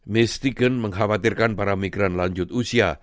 miss tegan mengkhawatirkan para migran lanjut usia